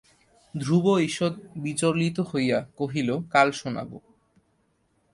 ধ্রুব ঈষৎ বিচলিত হইয়া কহিল, কাল শোনাব।